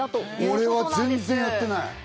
俺は全然やってない。